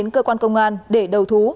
đến cơ quan công an để đầu thú